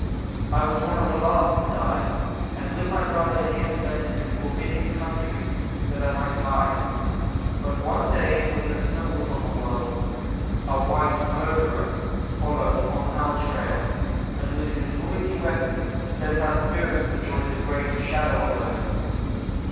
I was one of the last to die, and with my brother here fled to this forbidding country that I might hide; but one day when the snow was on the world, a white murderer followed on our trail, and with his noisy weapon sent our spirits to join the great shadow herds.